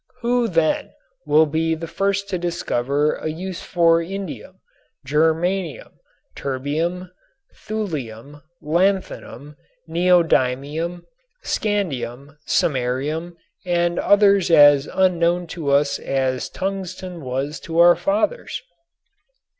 Who, then, will be the first to discover a use for indium, germanium, terbium, thulium, lanthanum, neodymium, scandium, samarium and others as unknown to us as tungsten was to our fathers?